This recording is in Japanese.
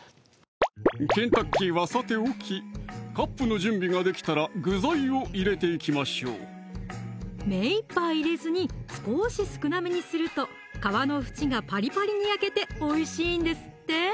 ケンタッキーはさておきカップの準備ができたら具材を入れていきましょう目いっぱい入れずに少し少なめにすると皮の縁がパリパリに焼けておいしいんですって